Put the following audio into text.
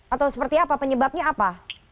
atau seperti apa penyebabnya apa